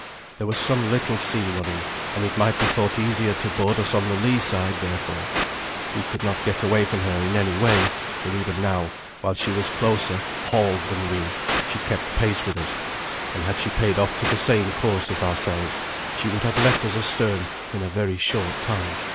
There was some little sea running, and it might be thought easier to board us on the lee side, therefore. We could not get away from her in any way, for even now, while she was closer hauled than we, she kept pace with us, and had she paid off to the same course as ourselves, she would have left us astern in a very short time.